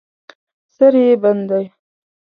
سر یې بند دی.